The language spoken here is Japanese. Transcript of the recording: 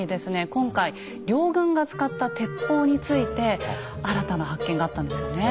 今回両軍が使った鉄砲について新たな発見があったんですよね。